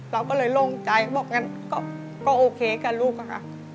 เราก็เลยลงใจบอกงั้นก็โอเคค่ะลูกค่ะ